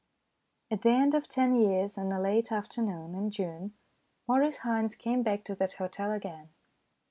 At the end of ten years, on a late afternoon in June, Maurice Haynes came back to that hotel again.